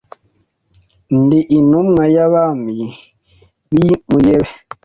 Ndi intumwa y'Abami b'i Muyebe